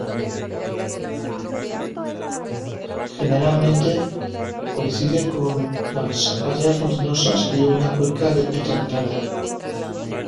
Generalmente, coincide con las áreas montañosas de una cuenca determinada.